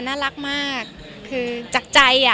น่ารักมากคือจากใจอ่ะ